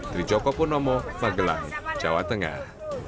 dijokopo nomo magelang jawa tengah